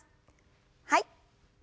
はい。